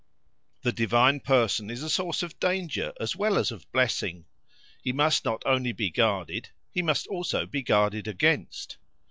The divine person is a source of danger as well as of blessing; he must not only be guarded, he must also be guarded against.